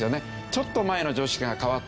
ちょっと前の常識が変わってる。